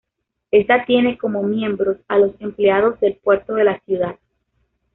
Esta tiene como miembros a los empleados del puerto de la ciudad.